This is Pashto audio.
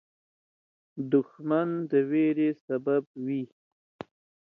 دښمن د ویرې سبب وي